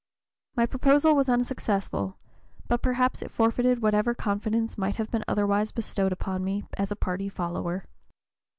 My proposal was unsuccessful, and perhaps it forfeited whatever confidence might have been otherwise bestowed upon me as a party follower."